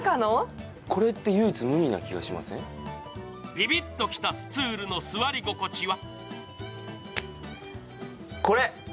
ビビッときたスツールの座り心地は？